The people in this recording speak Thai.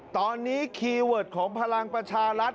ตอนนี้คีย์เวิร์ดของพลังประชารัฐ